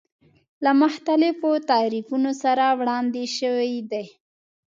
له مختلفو تعریفونو سره وړاندې شوی دی.